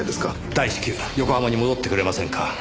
大至急横浜に戻ってくれませんか？